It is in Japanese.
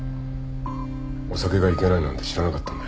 お酒がいけないなんて知らなかったんだよ。